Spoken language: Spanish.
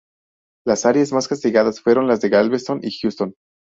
Las áreas más castigadas fueron las de Galveston y Houston.